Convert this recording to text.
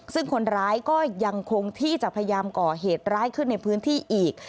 ซึ่งคนร้ายก็ยังคงที่จะพยายามก่อเหตุร้ายขึ้นในพื้นที่อีก